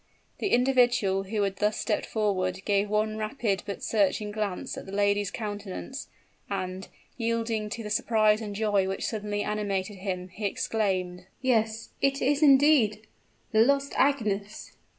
The individual who had thus stepped forward, gave one rapid but searching glance at the lady's countenance; and, yielding to the surprise and joy which suddenly animated him, he exclaimed: "Yes it is, indeed, the lost Agnes!"